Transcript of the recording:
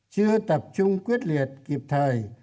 chưa tập trung quyết liệt kịp thời